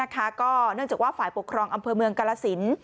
ก็เนื่องจากว่าฝ่ายปกครองอำเภอเมืองกาลสิน